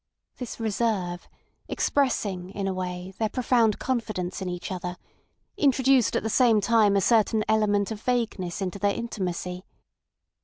This reserve, expressing, in a way, their profound confidence in each other, introduced at the same time a certain element of vagueness into their intimacy.